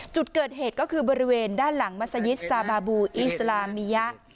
จุดเกิดเหตุก็คือบริเวณด้านหลังมัศยิตซาบาบูอิสลามิยะ